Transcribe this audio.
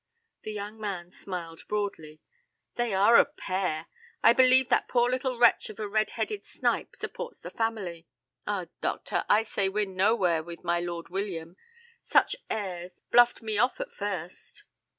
The young man smiled broadly. "They are a pair. I believe that poor little wretch of a red headed snipe supports the family. Ah, doctor, I say we're nowhere with my Lord William. Such airs; bluffed me off at first."